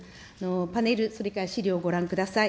パネル、それから資料をご覧ください。